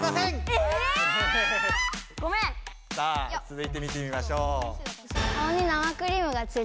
ええっ⁉さあつづいて見てみましょう。